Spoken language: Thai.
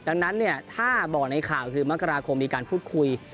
ดังนั้นเนี่ยถ้าบอกในข่าวคือมกราคมมีการพูดคุย